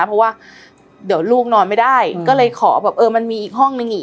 เพราะว่าเดี๋ยวลูกนอนไม่ได้ก็เลยขอแบบเออมันมีอีกห้องนึงอีก